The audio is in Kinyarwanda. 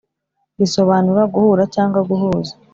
risobanura guhura cyangwa guhuza